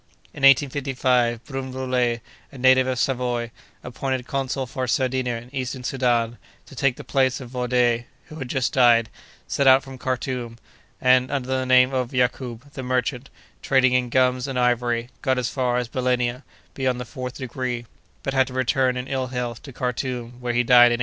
In 1855, Brun Rollet, a native of Savoy, appointed consul for Sardinia in Eastern Soudan, to take the place of Vaudey, who had just died, set out from Karthoum, and, under the name of Yacoub the merchant, trading in gums and ivory, got as far as Belenia, beyond the fourth degree, but had to return in ill health to Karthoum, where he died in 1857.